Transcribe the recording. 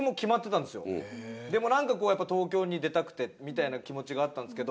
でもなんかこうやっぱ東京に出たくてみたいな気持ちがあったんですけど。